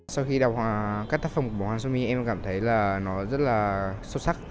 sau khi đọc các tác phẩm của hoàng xuân my em cảm thấy là nó rất là sâu sắc